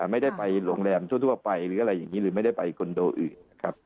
ไม่ได้ไปโรงแรมทั่วไปหรืออะไรอย่างนี้หรือไม่ได้ไปคอนโดอื่นนะครับ